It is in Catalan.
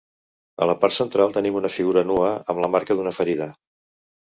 A la part central tenim una figura nua amb la marca d'una ferida.